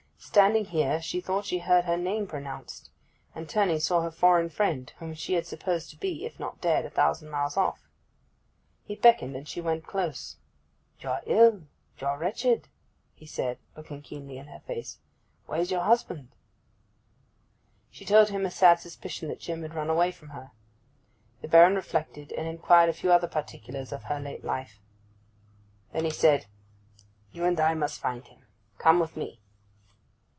Standing here she thought she heard her name pronounced, and turning, saw her foreign friend, whom she had supposed to be, if not dead, a thousand miles off. He beckoned, and she went close. 'You are ill—you are wretched,' he said, looking keenly in her face. 'Where's your husband?' She told him her sad suspicion that Jim had run away from her. The Baron reflected, and inquired a few other particulars of her late life. Then he said: 'You and I must find him. Come with me.